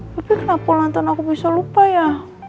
tapi kenapa lantaran aku bisa lupa ya